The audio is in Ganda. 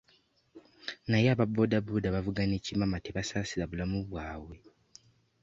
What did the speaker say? Naye aba booda booda abavuga n'ekimama tebasaasira bulamu bwabwe.